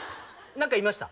何か言いました？